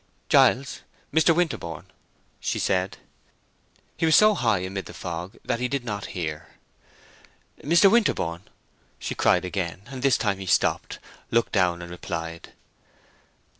"Giles— Mr. Winterborne," she said. He was so high amid the fog that he did not hear. "Mr. Winterborne!" she cried again, and this time he stopped, looked down, and replied.